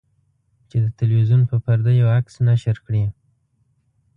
چې د تلویزیون په پرده یو عکس نشر کړي.